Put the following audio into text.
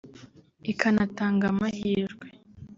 ikanatanga amahirwe